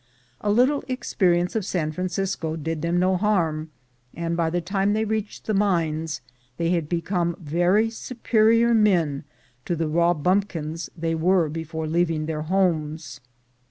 A little experience of San Francisco did them no harm, and by the time they reached the mines they had become very superior men to the raw bumpkins they were before leaving their homes.